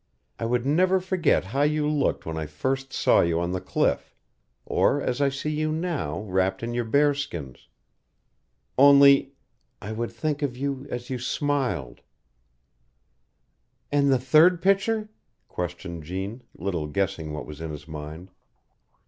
I would never forget how you looked when I first saw you on the cliff or as I see you now, wrapped in your bearskins. Only I would think of you as you smiled." "And the third picture?" questioned Jeanne, little guessing what was in his mind.